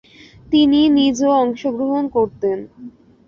তিনি নিজেও অংশগ্রহণ করতেন।